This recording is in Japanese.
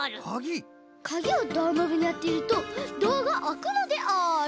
カギをドアノブにあてるとドアがあくのである。